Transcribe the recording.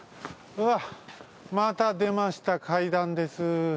うわっまたでました階段です。